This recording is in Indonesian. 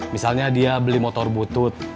misalnya dia beli motor butut